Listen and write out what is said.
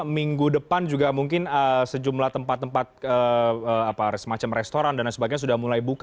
minggu depan juga mungkin sejumlah tempat tempat semacam restoran dan lain sebagainya sudah mulai buka